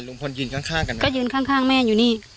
ด้วยเรือนการจัดสมัย